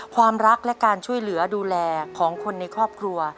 ความรักและการช่วยเหลือดูแลของคนในครอบครัว